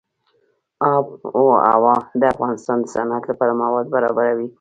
آب وهوا د افغانستان د صنعت لپاره مواد برابروي.